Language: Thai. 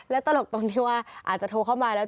และตลกตรงที่ว่าอาจจะโทรเข้ามาแล้ว